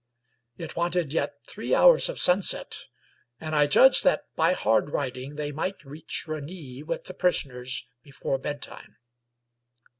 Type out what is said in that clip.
It wanted yet three hours of sunset, and I judged that, by hard riding, they might reach Rosny with their prisoners before bedtime.